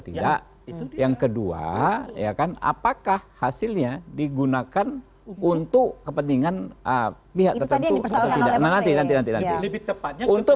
tidak yang kedua ya kan apakah hasilnya digunakan untuk kepentingan pihak tertentu nanti nanti untuk